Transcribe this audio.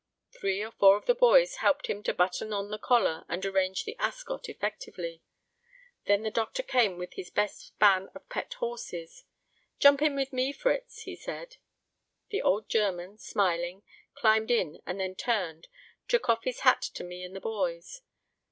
Three or four of the boys helped him to button on the collar and arrange the ascot effectively. Then the Doctor came with his best span of pet horses. "Jump in with me, Fritz," he said. The old German, smiling, climbed in and then turned, took his hat off to me and the boys.